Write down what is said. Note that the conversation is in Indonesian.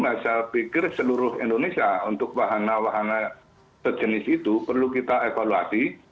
saya pikir seluruh indonesia untuk wahana wahana sejenis itu perlu kita evaluasi